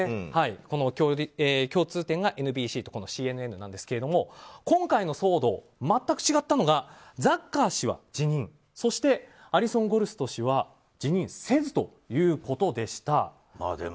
この共通点がＮＢＣとＣＮＮなんですが今回の騒動、全く違ったのがザッカー氏は辞任そしてアリソン・ゴルスト氏は辞任せずということでした。